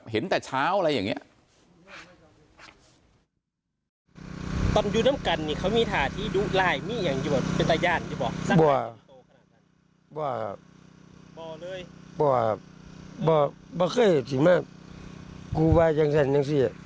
เห็นแต่เช้าอะไรอย่างนี้